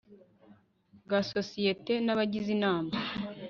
bwa sosiyete n abagize inama